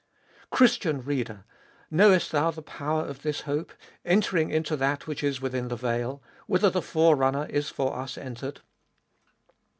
Christian reader ! knowest thou the power of this hope, entering into that which is within the veil, whither the Fore runner is for us entered.